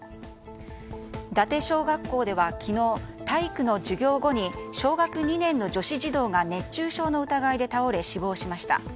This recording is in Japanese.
伊達小学校では、昨日体育の授業後に小学２年の女子児童が熱中症の疑いで倒れ死亡しました。